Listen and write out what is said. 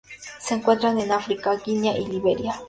Se encuentran en África: Guinea y Liberia.